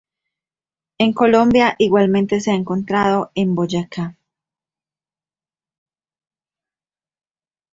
En Colombia igualmente se ha encontrado, en Boyacá.